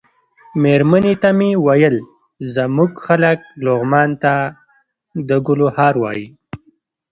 مېرمنې ته مې ویل زموږ خلک لغمان ته د ګلو هار وايي.